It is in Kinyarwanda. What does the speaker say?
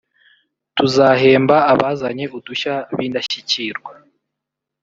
tuzahemba abazanye udushya b’indashyikirwa